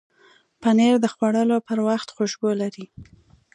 پنېر د خوړلو پر وخت خوشبو لري.